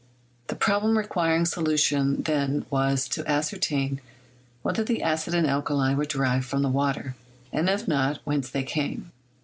The problem requiring solution then was to ascertain whether the acid and alkali were derived from the water, and if not, whence they came.